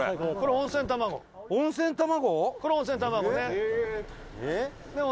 温泉卵ね。